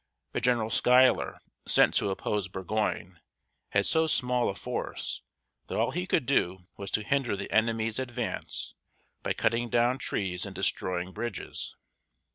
But General Schuȳ´ler, sent to oppose Burgoyne, had so small a force that all he could do was to hinder the enemy's advance by cutting down trees and destroying bridges.